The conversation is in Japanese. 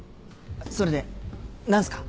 それで何すか？